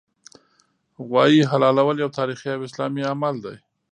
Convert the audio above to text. غوايي حلالول یو تاریخي او اسلامي عمل دی